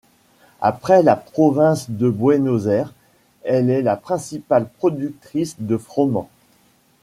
Après la province de Buenos Aires, elle est la principale productrice de froment.